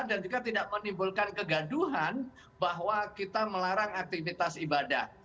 hanya menggandung kegaduhan bahwa kita melarang aktivitas ibadah